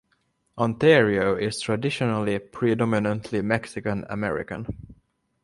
Onterio is traditionally predominantly Mexican American.